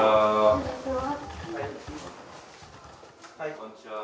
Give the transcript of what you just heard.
こんにちは。